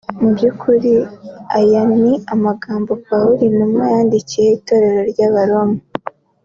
Mu by’ukuri aya ni amagambo Pawulo intumwa yandikiye itorero ry’abaroma